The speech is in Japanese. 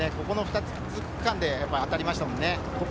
この２区間で当たりましたね。